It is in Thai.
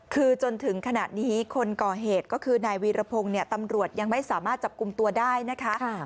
คือจนถึงขณะนี้คนก่อเหตุก็คือนายวีรพงศ์เนี่ยตำรวจยังไม่สามารถจับกลุ่มตัวได้นะคะ